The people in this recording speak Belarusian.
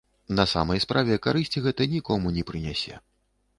На самай справе карысці гэта нікому не прынясе.